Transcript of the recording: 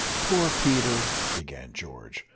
"Poor Peter," began George.